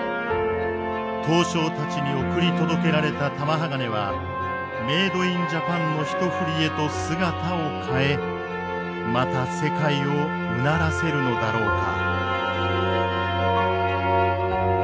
刀匠たちに送り届けられた玉鋼はメードインジャパンの１ふりへと姿を変えまた世界をうならせるのだろうか。